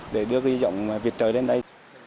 để đưa dòng vịt trời đến đây